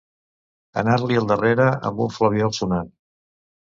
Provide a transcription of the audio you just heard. Anar-li al darrere amb un flabiol sonant.